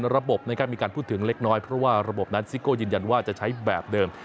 ระบบนะครับมีการพูดถึงเล็กน้อยเพราะว่าระบบนั้นซิโก้ยืนยันว่าจะใช้แบบเดิม